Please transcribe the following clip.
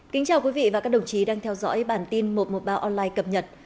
kính chào quý vị và các đồng chí đang theo dõi bản tin một trăm một mươi ba online cập nhật